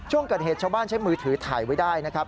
ช่วงเกิดเหตุชาวบ้านใช้มือถือถ่ายไว้ได้นะครับ